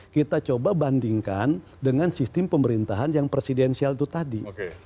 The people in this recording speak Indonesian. kita coba bandingkan dengan sistem pemerintahan yang presidensial itu tadi